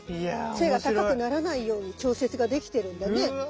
背が高くならないように調節ができてるんだね。